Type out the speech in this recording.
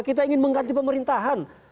kita ingin mengganti pemerintahan